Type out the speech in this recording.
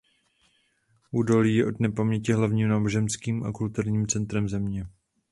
Údolí je od nepaměti hlavním náboženským a kulturním centrem země.